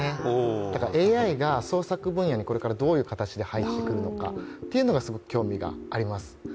だからＡＩが創作分野にこれからどういう形で入ってくるのかというのがすごく興味があります。